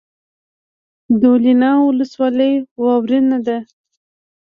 دولینه ولسوالۍ واورین ده؟